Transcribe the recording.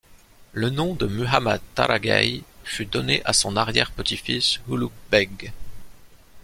Le nom de Muhammad Tāraghay fut donné à son arrière-petit-fils Ulugh Beg.